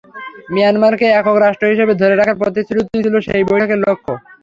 মিয়ানমারকে একক রাষ্ট্র হিসেবে ধরে রাখার প্রতিশ্রুতিই ছিল সেই বৈঠকের লক্ষ্য।